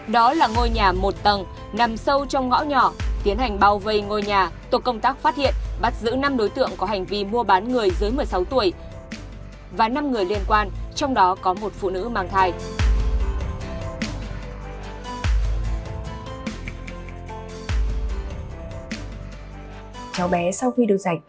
đó là ngôi nhà một tầng nằm sâu trong ngõ nhỏ tiến hành bao vây ngôi nhà tổ công tác phát hiện bắt giữ năm đối tượng có hành vi mua bán người dưới một mươi sáu tuổi và năm người liên quan trong đó có một phụ nữ mang thai